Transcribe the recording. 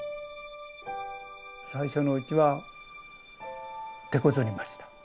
最初のうちはてこずりました。